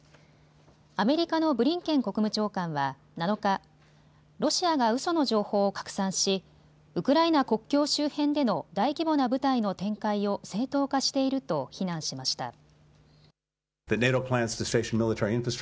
アメリカのブリンケン国務長官は７日、ロシアがうその情報を拡散し、ウクライナ国境周辺での大規模な部隊の展開を正当化していると非難しました。